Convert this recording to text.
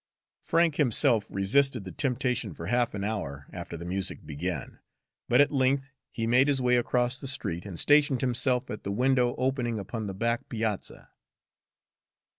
Frank himself resisted the temptation for half an hour after the music began, but at length he made his way across the street and stationed himself at the window opening upon the back piazza.